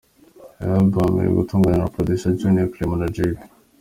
Iyi album iri gutunganywa na Producer Junior, Clement na Jay P.